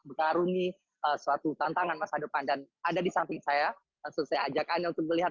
berkaruni suatu tantangan masa depan dan ada di samping saya langsung saya ajak anda untuk melihat